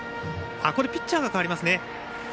ピッチャーが代わります。